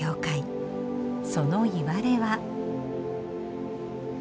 そのいわれは。